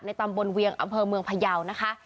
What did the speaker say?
ตำบลเวียงอำเภอเมืองพยาวนะคะ